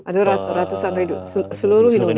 ada ratusan seluruh indonesia